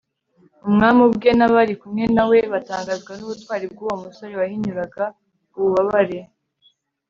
umwami ubwe n'abari kumwe na we batangazwa n'ubutwari bw'uwo musore, wahinyuraga ububabare